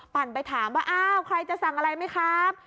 ไปถามว่าอ้าวใครจะสั่งอะไรไหมครับ